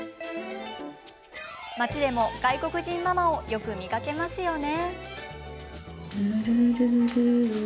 町でも、外国人ママをよく見かけますよね。